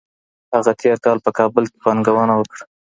هغه تېر کال په کابل کي پانګونه وکړه.